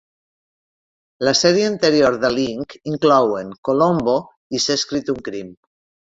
La sèrie anterior de Link inclouen "Colombo" i "S'ha escrit un crim".